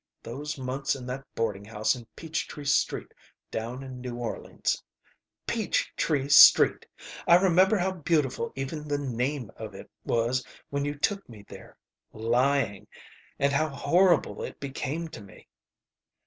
Those months in that boarding house in Peach Tree Street down in New Orleans! Peach Tree Street! I remember how beautiful even the name of it was when you took me there lying and how horrible it became to me.